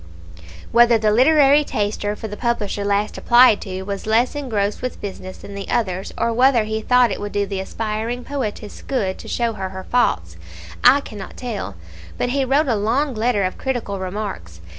Whether the literary taster for the publisher last applied to was less engrossed with business than the others, or whether he thought it would do the aspiring poetess good to show her her faults, I cannot tell, but he wrote a long letter of critical remarks.